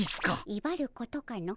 いばることかの。